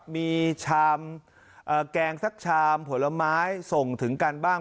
มีชามแกงสักชามผลไม้ส่งถึงกันบ้าง